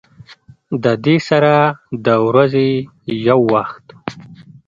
د دې سره د ورځې يو وخت